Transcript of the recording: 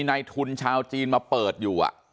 ในทุนชาวจีนมาเปิดอยู่